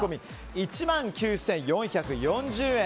１万９４４０円。